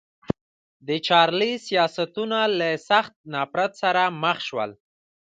د چارلېز سیاستونه له سخت نفرت سره مخ شول.